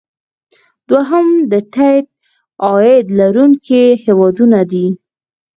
دوهم د ټیټ عاید لرونکي هیوادونه دي.